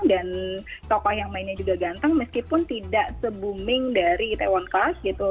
dan tokoh yang mainnya juga ganteng meskipun tidak se booming dari taewon class gitu